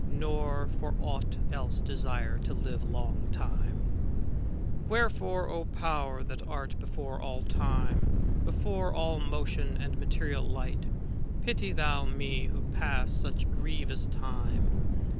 Nor for aught else desire to live long time. 114 CANZONIERE Wherefore, O Power, that art before all time. Before all motion and material light, *° Pity thou me, who pass such grievous time.